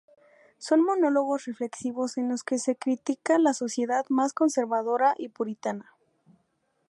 Son monólogos reflexivos en los que se critica la sociedad más conservadora y puritana.